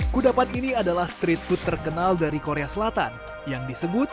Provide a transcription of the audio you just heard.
kudapan ini adalah street food terkenal dari korea selatan yang disebut